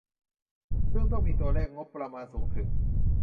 ซึ่งมีตัวเลขงบประมาณสูงถึง